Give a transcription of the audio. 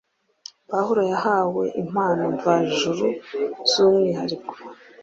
Pawulo yahawe impano mvajuru z’umwihariko.